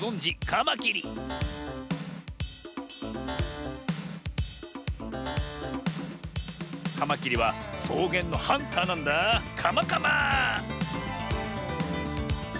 カマキリはそうげんのハンターなんだカマカマ。